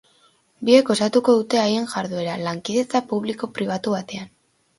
Biek osatuko dute haien jarduera, lankidetza publiko-pribatu batean.